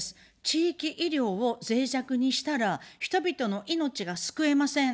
地域医療をぜい弱にしたら、人々の命が救えません。